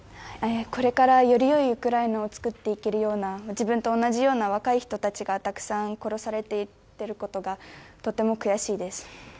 これからより良いウクライナを作っていけるような自分と同じような若い人たちがたくさん殺されていることがとても悔しいです。